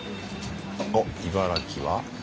おっ茨城は？